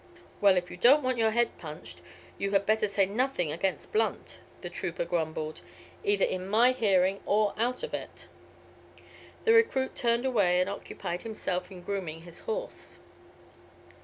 "Well, if you don't want your head punched, you had better say nothing against Blunt," the trooper grumbled, "either in my hearing or out of it." The recruit turned away and occupied himself in grooming his horse.